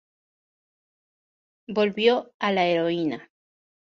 Volvió a la heroína.